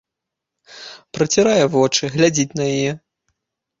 Працірае вочы, глядзіць на яе.